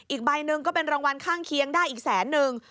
อีกใบหนึ่งก็เป็นรางวัลข้างเคียงได้อีกแสนนึง